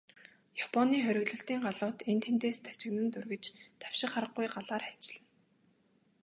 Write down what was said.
Японы хориглолтын галууд энд тэндээс тачигнан тургиж, давших аргагүй галаар хайчилна.